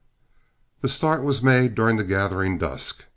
The start was made during the gathering dusk.